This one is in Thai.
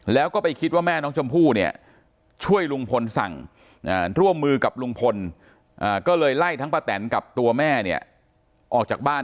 แล้วก็ไปคิดว่าแม่น้องชมพู่เนี่ยช่วยลุงพลสั่งร่วมมือกับลุงพลก็เลยไล่ทั้งป้าแตนกับตัวแม่เนี่ยออกจากบ้าน